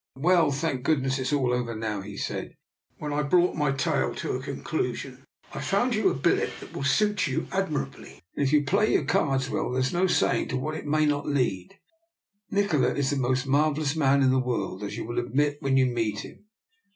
" Well, well, thank goodness it is all over now," he said, when I had brought my tale to a conclusion. " I've found you a billet that will suit you admirably, and if you play your cards well there's no saying to what it may not lead. Nikola is the most marvellous man in the world, as you will admit when you meet him.